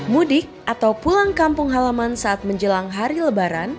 mudik atau pulang kampung halaman saat menjelang hari lebaran